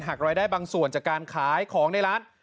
รายได้บางส่วนจากการขายของในร้าน